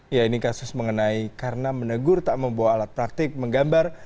ya ini kasus mengenai karena menegur tak membawa alat praktik menggambar